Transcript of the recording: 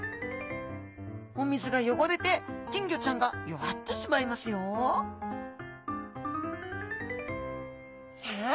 お水が汚れて金魚ちゃんが弱ってしまいますよさあ